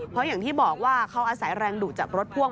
เพราะอย่างที่บอกว่าเขาอาศัยแรงดุจากรถพ่วง